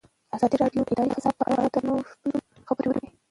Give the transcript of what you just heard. ازادي راډیو د اداري فساد په اړه د نوښتونو خبر ورکړی.